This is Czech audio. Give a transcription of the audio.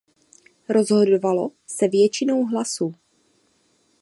Rozhodovalo se většinou hlasů.